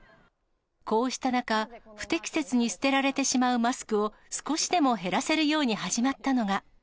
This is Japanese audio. こうした中、不適切に捨てられてしまうマスクを、少しでも減らせるように始まったのが。